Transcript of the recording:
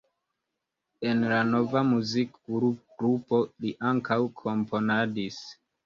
En la nova muzikgrupo li ankaŭ komponadis.